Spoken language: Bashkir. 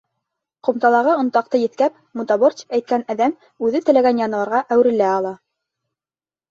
Ҡумталағы онтаҡты еҫкәп, «мутабор» тип әйткән әҙәм үҙе теләгән януарға әүерелә ала.